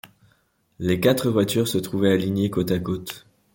Les quatre voitures se trouvaient alignées côte à côte.